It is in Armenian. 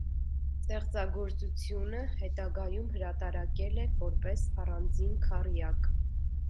Ստեղծագործությունը հետագայում հրատարակել է, որպես առանձին քառյակ։